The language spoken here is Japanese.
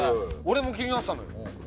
俺も気になってたのよ。